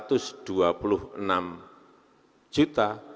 sudah satu ratus enam juta